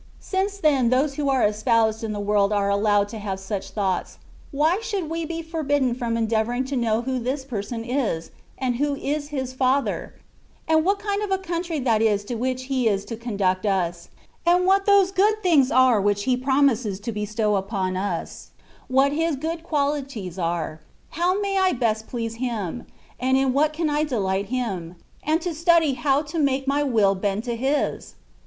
Since then those who are espoused in the world are allowed to have such thoughts, why should we be forbidden from endeavouring to know who this person is, and who is his Father, and what kind of a country that is to which he is to conduct us, and what those good things are which he promises to bestow upon us, what his good qualities are, how I may best please him, and in what 1 can delight him, and to study how to make my will bend to His